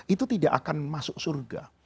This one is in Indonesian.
itu tidak akan masuk surga